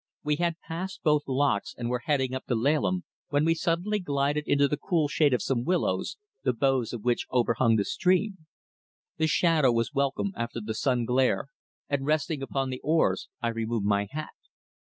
We had passed both locks, and were heading up to Laleham, when we suddenly glided into the cool shade of some willows, the boughs of which overhung the stream. The shadow was welcome after the sun glare, and resting upon the oars I removed my hat.